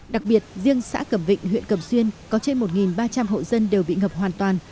đặc biệt riêng xã cẩm vịnh huyện cầm xuyên có trên một ba trăm linh hộ dân đều bị ngập hoàn toàn